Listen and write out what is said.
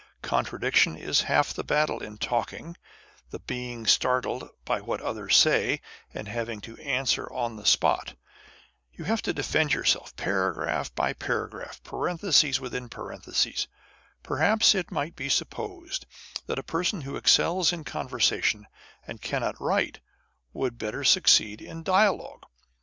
Contradic tion is half the battle in talking â€" the being startled by what others say, and having to answer on the spot. You have to defend yourself, paragraph by paragraph, parenthesis within parenthesis. Perhaps it might be sup posed that a person who excels in conversation and cannot write, would succeed better in dialogue.